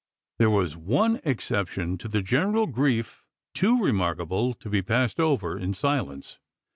There was one exception to the general grief too remarkable to be passed over in silence.